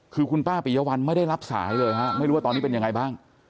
คือคุณป้าปียวัลไม่ได้รับสายเลยฮะไม่รู้ว่าตอนนี้เป็นยังไงบ้าง